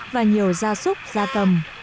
và nhiều gia súc gia cầm